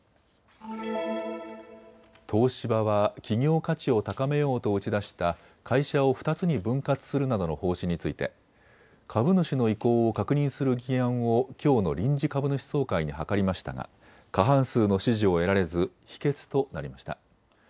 東芝は企業価値を高めようと打ち出した会社を２つに分割するなどの方針について株主の意向を確認する議案をきょうの臨時株主総会に諮りましたが過半数の支持を得られず否決となりました。